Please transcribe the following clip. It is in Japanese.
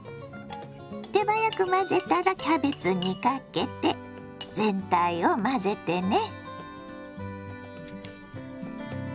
手早く混ぜたらキャベツにかけて全体を混ぜてね。